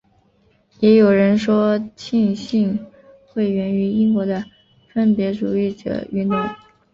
也有人说浸信会源于英国的分别主义者运动。